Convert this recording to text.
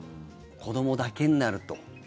子どもだけになると。